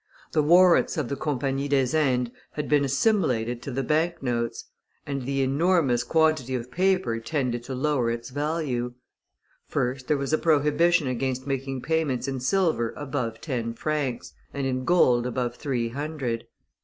The warrants of the Compagnie des Indes had been assimilated to the bank notes; and the enormous quantity of paper tended to lower its value. First, there was a prohibition against making payments in silver above ten francs, and in gold above three hundred.